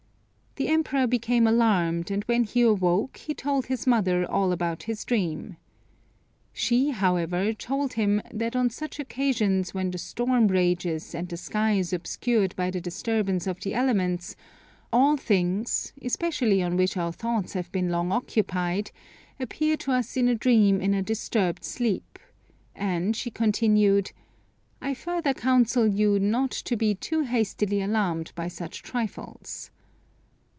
The Emperor became alarmed, and when he awoke he told his mother all about his dream. She, however, told him that on such occasions, when the storm rages, and the sky is obscured by the disturbance of the elements, all things, especially on which our thoughts have been long occupied, appear to us in a dream in a disturbed sleep; and she continued, "I further counsel you not to be too hastily alarmed by such trifles."